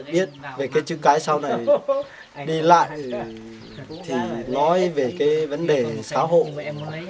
biết về cái chữ cái sau này đi lại thì nói về cái vấn đề xã hội